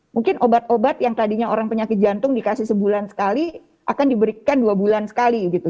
mungkin obat obat yang tadinya orang penyakit jantung dikasih sebulan sekali akan diberikan dua bulan sekali gitu